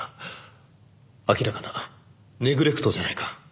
明らかなネグレクトじゃないか。